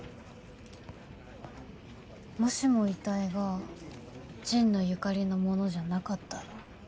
もしも遺体が神野由香里のものじゃなかったら。